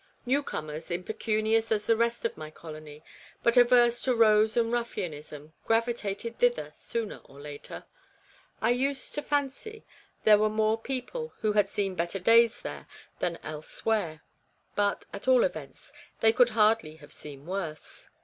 New comers, impecunious as the rest of my colony, but averse to rows and ruffianism, gravitated thither sooner or later ; I used^to fancy there were more people who had seen better days there than elsewhere ; but, at all events, they could hardly have seen worse.